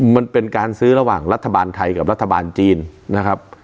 มันเป็นการซื้อระหว่างรัฐบาลไทยกับรัฐบาลจีนนะครับ